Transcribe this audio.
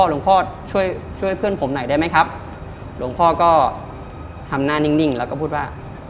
หลวงพ่อช่วยช่วยเพื่อนผมหน่อยได้ไหมครับหลวงพ่อก็ทำหน้านิ่งแล้วก็พูดว่า